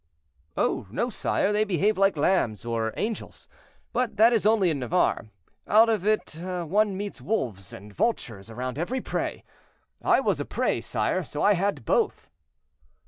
"Oh, no, sire; they behave like lambs or angels, but that is only in Navarre; out of it one meets wolves and vultures around every prey. I was a prey, sire; so I had both."